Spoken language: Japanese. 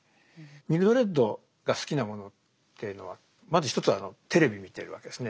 ミルドレッドが好きなものっていうのはまず一つはテレビ見てるわけですね。